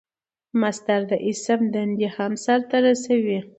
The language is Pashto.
مصدر د اسم دندې هم سر ته رسوي.